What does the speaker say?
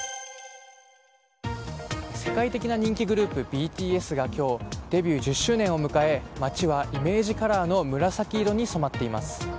世界的な人気グループＢＴＳが今日デビュー１０周年を迎え街はイメージカラーの紫色に染まっています。